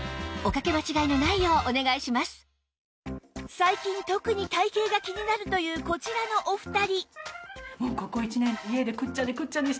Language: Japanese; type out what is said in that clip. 最近特に体形が気になるというこちらのお二人